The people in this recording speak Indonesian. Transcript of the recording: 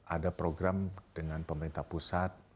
ada program dengan pemerintah pusat